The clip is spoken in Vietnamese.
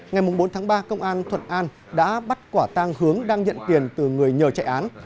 ngày bốn tháng ba công an thuận an đã bắt quả tang hướng đang nhận tiền từ người nhờ chạy án